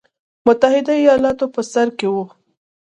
متحده ایالتونه په سر کې وو.